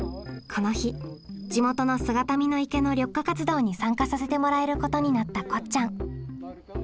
この日地元の姿見の池の緑化活動に参加させてもらえることになったこっちゃん。